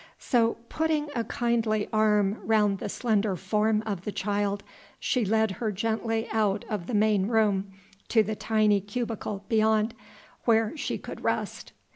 So, putting a kindly arm round the slender form of the child, she led her gently out of the main room to the tiny cubicle beyond, where she could rest.